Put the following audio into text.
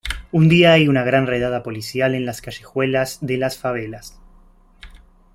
Un día hay una gran redada policial en las callejuelas de las favelas.